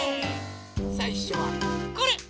さいしょはこれ！